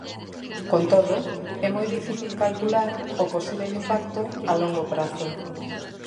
Con todo, é moi difícil calcular o posíbel impacto a longo prazo.